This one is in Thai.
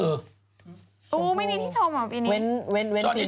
ไม่มีที่ชมเหรอปีนี้